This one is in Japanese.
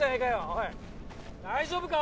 おい大丈夫か？